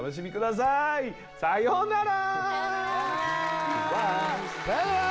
さよなら！